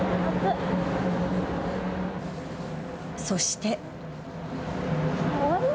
そして。